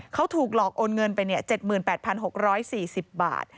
เขาถูกหลอกโอนเงินไป๗๘๖๔๐บาท